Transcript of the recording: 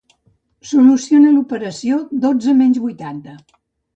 Soluciona l'operació dotze menys vuitanta.